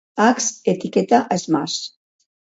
Ax etiquetat a Smash.